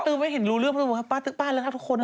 ปะตือไว้เห็นรู้เรื่องกับคุณฮะปะตือฮะเรื่องสร้างทุกคน